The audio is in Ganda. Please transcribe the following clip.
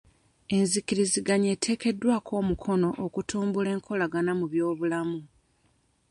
Enzikiriziganya eteekeddwako omukono okutumbula enkolagana mu by'obulamu.